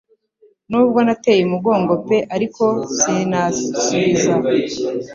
Nubwo nateye umugongo pe ariko sinansubiza